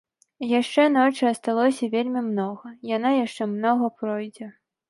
Яшчэ ночы асталося вельмі многа, яна яшчэ многа пройдзе.